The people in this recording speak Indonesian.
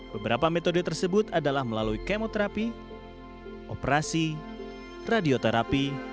beberapa metode tersebut adalah melalui kemoterapi operasi radioterapi